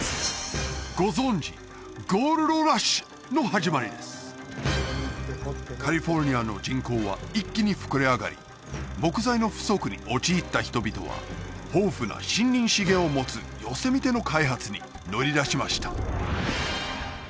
ご存じゴールドラッシュの始まりですカリフォルニアの人口は一気に膨れ上がり木材の不足に陥った人々は豊富な森林資源を持つヨセミテの開発に乗り出しました